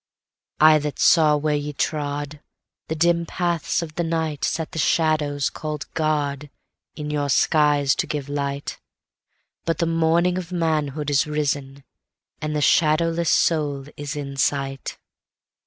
I that saw where ye trodThe dim paths of the nightSet the shadow call'd GodIn your skies to give light; But the morning of manhood is risen, and the shadowless soul is in sight.